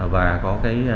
và có cái